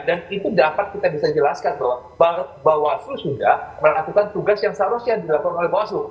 dan itu dapat kita bisa jelaskan bahwa bawaslu sudah melakukan tugas yang seharusnya dilaporkan oleh bawaslu